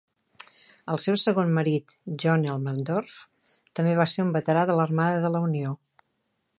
El seu segon marit, John Elmendorf, també va ser un veterà de l'Armada de la Unió.